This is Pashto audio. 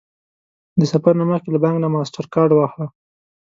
د سفر نه مخکې له بانک نه ماسټرکارډ واخله